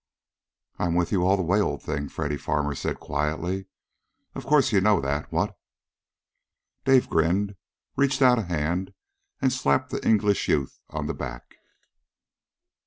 "I'm with you all the way, old thing," Freddy Farmer said quietly. "Of course you know that, what?" Dave grinned, reached out a hand and slapped the English youth on the back.